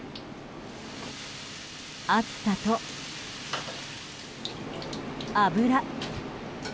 暑さと、油。